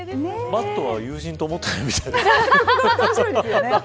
マットは友人と思ってないみたいだけど。